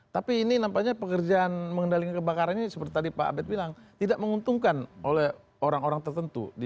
tapi ini nampaknya pekerjaan mengendalikan kebakaran ini seperti tadi pak abed bilang tidak menguntungkan oleh orang orang tertentu